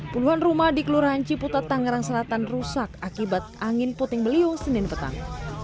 puluhan rumah di kelurahan ciputat tangerang selatan rusak akibat angin puting beliung senin petang